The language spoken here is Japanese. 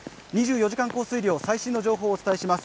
２４時間降水量、最新の情報をお伝えします。